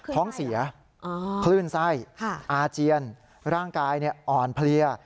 ท้องเสียคลื่นไส้อาเจียนร่างกายอ่อนเพลีย